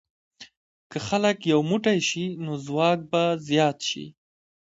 که خلک یو موټی شي، نو ځواک به زیات شي.